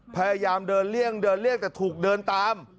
พยายามเดินเลี่ยงเดินเลี่ยงแต่ถูกเดินตาม